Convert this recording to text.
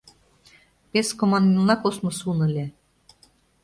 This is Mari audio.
Пес команмелна космо сун ыле...